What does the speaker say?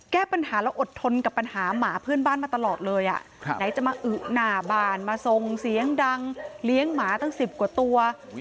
แก้ปัญหาแล้วอดทนกับปัญหาหมาเพื่อนบ้านมาตลอดเลยอ่ะไหนจะมาอึหน้าบ้านมาทรงเสียงดังเลี้ยงหมาตั้ง๑๐กว่าตัว